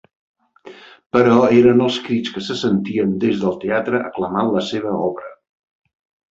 Però eren els crits que se sentien des del teatre aclamant la seva obra.